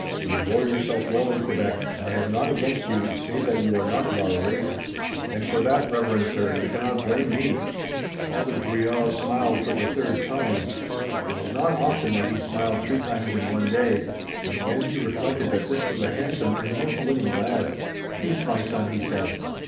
You bore yourself well in Quebec, and I have naught against you, save that you are not of our race." "And for that, reverend sir, you cannot blame me." Father Drouillard smiled for the third time. It was not often that he smiled three times in one day, and again he reflected that this was a handsome and most winning lad. "Peace, my son!" he said.